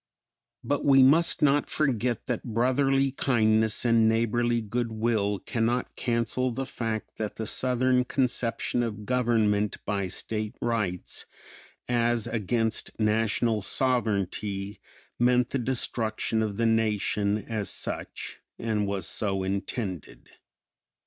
But we must not forget that brotherly kindness and neighborly good will cannot cancel the fact that the Southern conception of government by state rights, as against National sovereignty, meant the destruction of the Nation as such and was so intended.